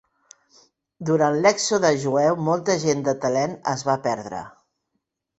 Durant l'èxode jueu molta gent de talent es va perdre.